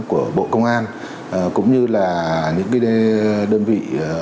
của bộ công an cũng như là những đơn vị